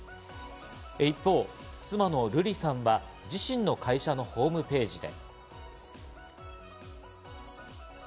一方、妻の瑠麗さんは自身の会社のホームページで。